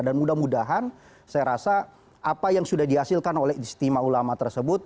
dan mudah mudahan saya rasa apa yang sudah dihasilkan oleh istimewa ulama tersebut